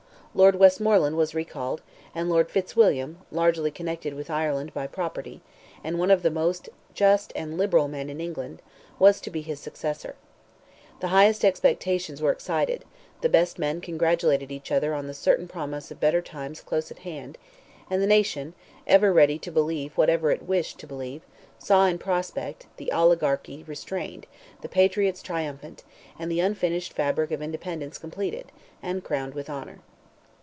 Lord Westmoreland was recalled, and Lord Fitzwilliam, largely connected with Ireland by property, and one of the most just and liberal men in England, was to be his successor. The highest expectations were excited; the best men congratulated each other on the certain promise of better times close at hand; and the nation, ever ready to believe whatever it wished to believe, saw in prospect, the oligarchy restrained, the patriots triumphant, and the unfinished fabric of independence completed, and crowned with honour.